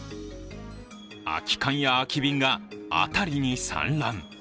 空き缶や空き瓶が辺りに散乱。